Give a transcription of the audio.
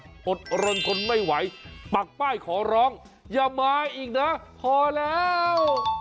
อดรนทนไม่ไหวปักป้ายขอร้องอย่ามาอีกนะพอแล้ว